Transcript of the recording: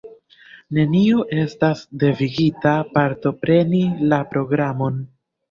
Neniu estas devigita partopreni la programon.